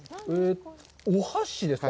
お箸ですか？